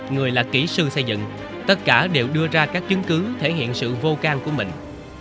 người là kỹ sư xây dựng tất cả đều đưa ra các chứng cứ thể hiện sự vô can của mình